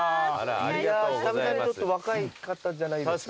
久々にちょっと若い方じゃないですか。